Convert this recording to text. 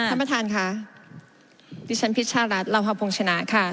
ท่านประธานค่ะดิฉันพิชารัฐลาภพงษณะค่ะ